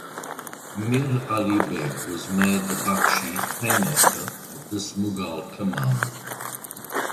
Mir Ali Beg was made the bakhshi (paymaster) of this Mughal command.